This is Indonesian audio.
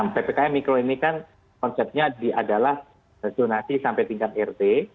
ppkm mikro ini kan konsepnya adalah zonasi sampai tingkat rt